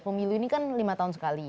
pemilu ini kan lima tahun sekali